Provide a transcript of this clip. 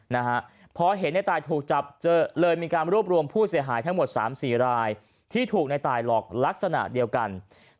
นะฮะพอเห็นในตายถูกจับเลยมีการรวบรวมผู้เสียหายทั้งหมดสามสี่รายที่ถูกในตายหลอกลักษณะเดียวกัน